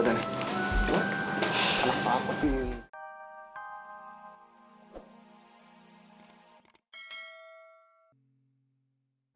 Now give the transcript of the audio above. kenapa aku pilih